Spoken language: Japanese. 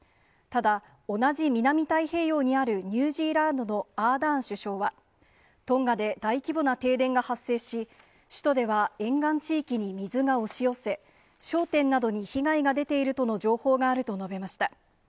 ただ、同じ南太平洋にあるニュージーランドのアーダーン首相は、トンガで大規模な停電が発生し、首都では沿岸地域に水が押し寄せ、商店などに被害が出ているとの情報があると述べました。